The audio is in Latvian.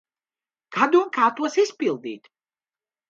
Kad un kā tos izpildīt.